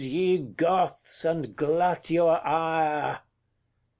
ye Goths, and glut your ire!